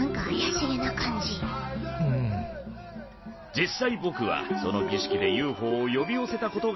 実際ぼくはそのぎしきでＵＦＯを呼び寄せたことがあるんだ。